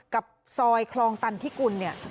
กับซอยคลองตันทิกุล